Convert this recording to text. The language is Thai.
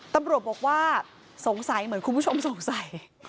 ตำรวจบอกว่าสงสัยเหมือนคุณผู้ชมสงสัย